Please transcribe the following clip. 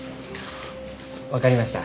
わかりました。